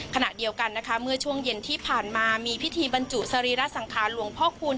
ขณะเดียวกันนะคะเมื่อช่วงเย็นที่ผ่านมามีพิธีบรรจุสรีระสังขารหลวงพ่อคูณ